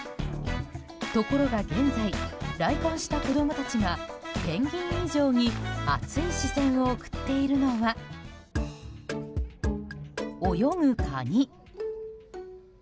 ところが現在来館した子供たちがペンギン以上に熱い視線を送っているのは泳ぐカニ。